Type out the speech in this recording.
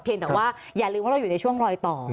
แต่ว่าอย่าลืมว่าเราอยู่ในช่วงรอยต่อ